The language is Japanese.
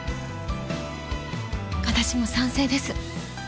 私も賛成です。